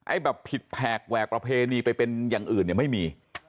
แบบผิดแผกแหวกประเพณีไปเป็นอย่างอื่นเนี่ยไม่มี